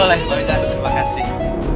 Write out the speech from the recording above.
boleh pak wiccaq terima kasih